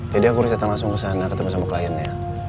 jadi aku harus langsung datang ke sana ketemu sama kliennya